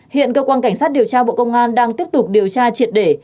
hiện cơ quan cảnh sát điều tra bộ công an đang tiếp tục điều tra triệt để